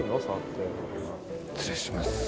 失礼します。